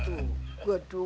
aduh gue setuju